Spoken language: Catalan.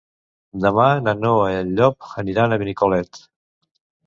Demà na Noa i en Llop aniran a Benicolet.